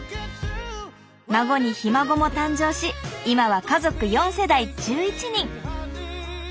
孫にひ孫も誕生し今は家族４世代１１人。